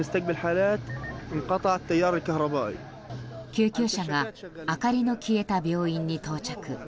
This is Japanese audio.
救急車が明かりの消えた病院に到着。